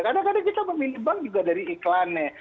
kadang kadang kita memilih bank juga dari iklannya